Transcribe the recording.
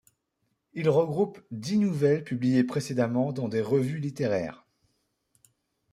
Il regroupe dix nouvelles publiées précédemment dans des revues littéraires.